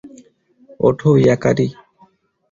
ওঠো, ইয়াকারি।